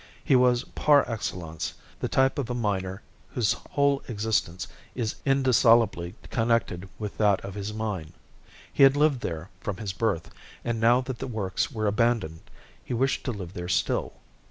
He was par excellence the type of a miner whose whole existence is indissolubly connected with that of his mine. He had lived there from his birth, and now that the works were abandoned he wished to live there still.